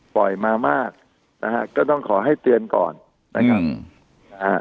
ปล่อยมามากนะครับก็ต้องขอให้เตือนก่อนนะครับ